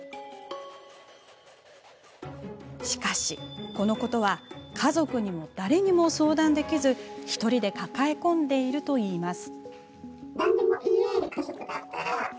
しかし、このことは家族にも誰にも相談できず１人で抱え込んでいるといいます。